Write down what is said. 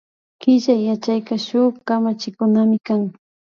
Killkay yachayka shuk kamachikunamikan